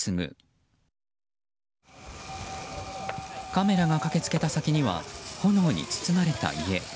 カメラが駆けつけた先には炎に包まれた家。